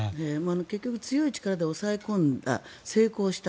結局強い力で抑え込んだ成功した。